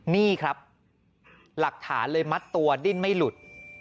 นี่ครับหลักฐานเลยมัดตัวดิ้นไม่หลุด